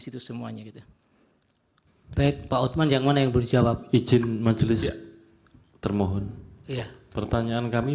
situs semuanya gitu baik pak otman yang mana yang berjawab izin majelis termohon ya pertanyaan kami